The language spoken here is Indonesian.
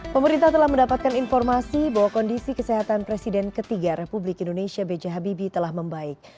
pemerintah telah mendapatkan informasi bahwa kondisi kesehatan presiden ketiga republik indonesia b j habibie telah membaik